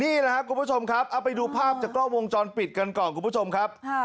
นี่แหละครับคุณผู้ชมครับเอาไปดูภาพจากกล้องวงจรปิดกันก่อนคุณผู้ชมครับ